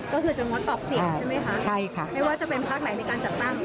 ก็คือจะงดตอบเสียงใช่ไหมคะไม่ว่าจะเป็นพักไหนในการจัดตั้ง